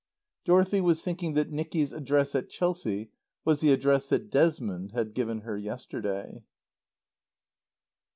Dorothy was thinking that Nicky's address at Chelsea was the address that Desmond had given her yesterday.